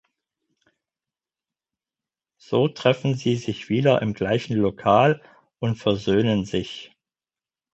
So treffen sie sich wieder im gleichen Lokal und versöhnen sich.